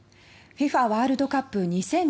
ＦＩＦＡワールドカップ２０２２。